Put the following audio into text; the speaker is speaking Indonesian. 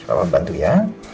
masih bapak bantu ya